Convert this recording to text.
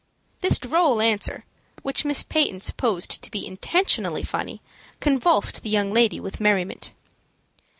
This droll answer, which Miss Peyton supposed to be intentionally funny, convulsed the young lady with merriment.